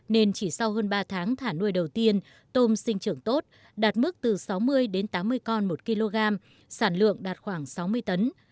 nên chỉ sau hơn ba tháng thả nuôi đầu tiên tôm sinh trưởng tốt đạt mức từ sáu mươi đến tám mươi con một kg sản lượng đạt khoảng sáu mươi tấn